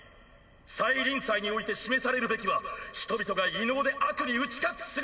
再臨祭に於いて示されるべきは人々が異能で悪に打ち勝つ姿！